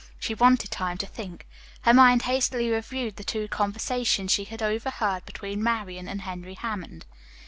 She wanted time to think. Her mind hastily reviewed the two conversations she had overheard between Marian and Henry Hammond.